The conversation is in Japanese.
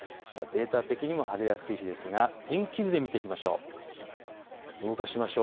データ的にも晴れやすい日ですが天気図で見ていきましょう。